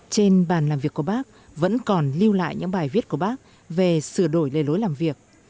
trên bàn làm việc của bác vẫn còn lưu lại những bài viết của bác về sửa đổi lề lối làm việc